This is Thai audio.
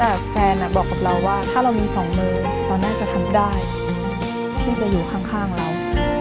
แต่แฟนบอกกับเราว่าถ้าเรามีสองมือเราน่าจะทำได้ที่จะอยู่ข้างเรา